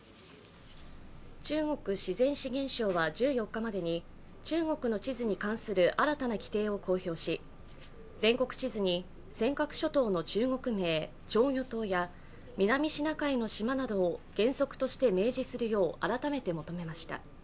中国自然資源省は１４日までに中国の地図に関する新たな規定を公表し、全国地図に、尖閣諸島の中国名、釣魚島や南シナ海の島などを原則として明示するよう改めて求めました。